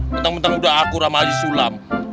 bentang bentang udah aku ramai sulam